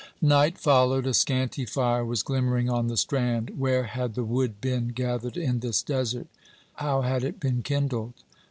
"Night followed. A scanty fire was glimmering on the strand. Where had the wood been gathered in this desert? How had it been kindled?